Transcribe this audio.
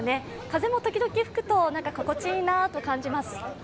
風も時々吹くと、心地いいなと感じます。